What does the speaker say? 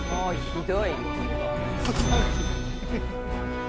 ひどいね。